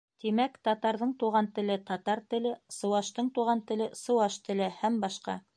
Тимәк, татарҙың туған теле — татар теле, сыуаштың туған теле — сыуаш теле һәм башҡа